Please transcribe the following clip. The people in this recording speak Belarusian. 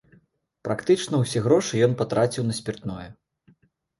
Практычна ўсе грошы ён патраціў на спіртное.